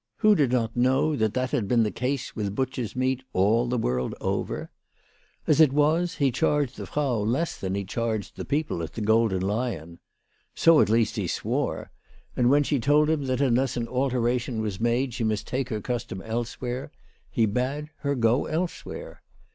Who did not know that that had been the case with butchers' meat all the world over ? As it was, he charged the Frau less than he charged the people at the Golden Lion. So at least he swore ; and when she told him that unless an alteration was made she must take her custom elsewhere he bade her go elsewhere.